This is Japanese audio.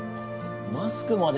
マスクまで。